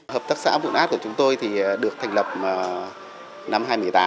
hợp tác xã vụn át của chúng tôi thì được thành lập năm hai nghìn một mươi tám